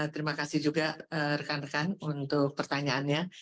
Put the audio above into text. terima kasih juga rekan rekan untuk pertanyaannya